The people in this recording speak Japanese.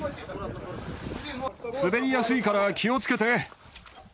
滑りやすいから気をつけて。